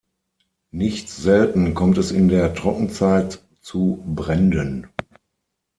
Nicht selten kommt es in der Trockenzeit zu Bränden.